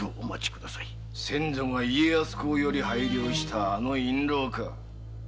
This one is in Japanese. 先祖が家康公より拝領したあの印ろうか。